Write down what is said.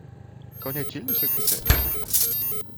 Qu’en est-il de ce critère?